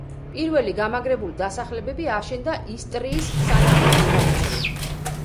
პირველი გამაგრებული დასახლებები აშენდა ისტრიის სანაპიროს გასწვრივ.